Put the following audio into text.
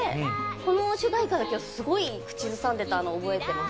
この主題歌だけはすごい口ずさんでたのを覚えてます。